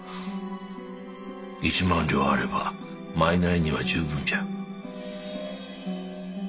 １万両あれば賄には十分じゃ。